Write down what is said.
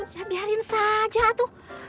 ya biarin saja tuh